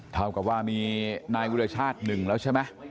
ถามกับว่ามีนายวิทยาชาติ๑แล้วใช่ไหม